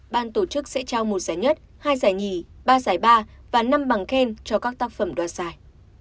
ban tổ chức sẽ trao một giải nhất hai giải nhì ba giải ba và năm bằng khen cho các tác phẩm đoạt giải